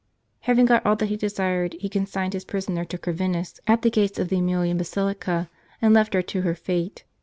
Having got all that he desired, he consigned his prisoner to Corvinus at the gates of the ^milian basilica, and left her to her fate.